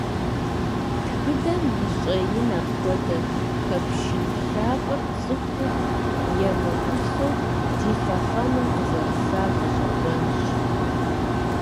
Тхыдэм и щIэин апхуэдэ хьэпшып лъапIэр, цIыху емыIусэу, ди лъэхъэнэм къызэрысар гъэщIэгъуэнщ.